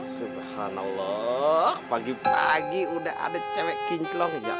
subhanallah pagi pagi udah ada cewek kinclong ya bang